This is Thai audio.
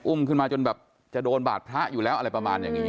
ขึ้นมาจนแบบจะโดนบาดพระอยู่แล้วอะไรประมาณอย่างนี้